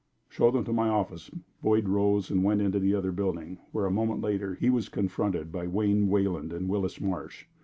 "Show them to the office." Boyd rose and went into the other building, where, a moment later, he was confronted by Wayne Wayland and Willis Marsh.